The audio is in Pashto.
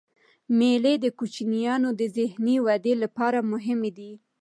مېلې د کوچنيانو د ذهني ودي له پاره مهمي دي.